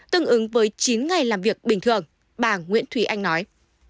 tương ứng với chín ngày làm việc bình thường bà nguyễn thúy anh nói